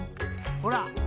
ほら。